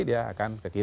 dia akan ke kiri